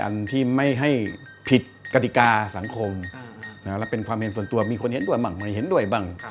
อันที่ไม่ให้ผิดกฎิกาสังคมและเป็นความเห็นส่วนตัวมีคนเห็นด้วยบ้างไม่เห็นด้วยบ้าง